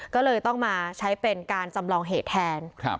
ก็เลยต้องมาใช้เป็นการจำลองเหตุแทน